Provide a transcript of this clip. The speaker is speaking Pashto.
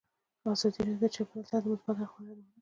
ازادي راډیو د چاپیریال ساتنه د مثبتو اړخونو یادونه کړې.